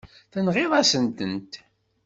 Tenɣiḍ-asen-tent.